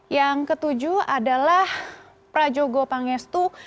yang ketujuh adalah prajogo pangestu